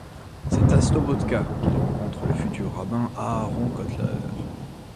C'est à Slobodka qu'il rencontre le futur rabbin Aharon Kotler.